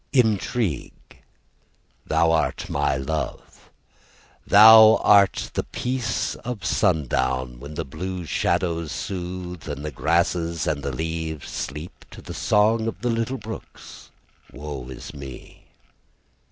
INTRIGUE Thou art my love, And thou art the peace of sundown When the blue shadows soothe, And the grasses and the leaves sleep To the song of the little brooks, Woe is me.